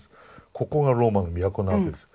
ここがローマの都なんです。